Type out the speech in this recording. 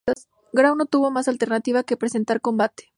Grau no tuvo más alternativa que presentar combate.